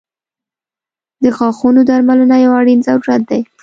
• د غاښونو درملنه یو اړین ضرورت دی.